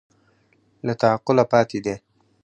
له تعقله پاتې دي